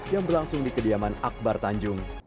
yang berlangsung di kediaman akbar tanjung